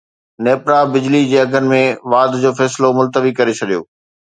نيپرا بجلي جي اگهن ۾ واڌ جو فيصلو ملتوي ڪري ڇڏيو